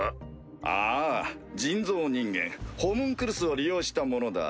ああ人造人間ホムンクルスを利用したものだ。